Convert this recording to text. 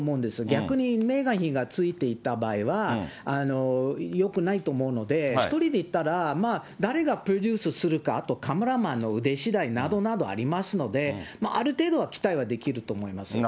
逆にメーガン妃がついていった場合は、よくないと思うので、１人で行ったら、まあ、誰がプロデュースするか、あと、カメラマンの腕しだいなどなどありますので、ある程度は期待はできると思います。